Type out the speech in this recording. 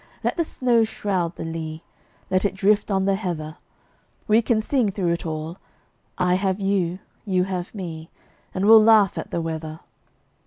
let the snow shroud the lea, Let it drift on the heather; We can sing through it all: I have you, you have me. And we'll laugh at the weather.